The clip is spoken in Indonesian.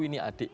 ini ada adik